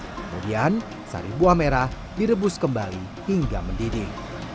kemudian sari buah merah direbus kembali hingga mendidih